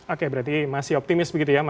oke berarti masih optimis begitu ya